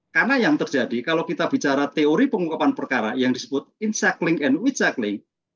karena yang terjadi kalau kita bicara teori pengungkapan perkara yang disebut in shackling and with shackling